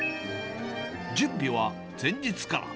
準備は前日から。